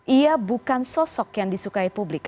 ia bukan sosok yang disukai publik